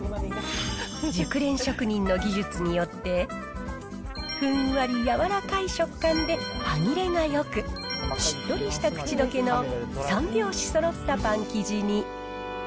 熟練職人の技術によって、ふんわり柔らかい食感で歯切れがよく、しっとりした口どけの三拍子そろったパン生地に。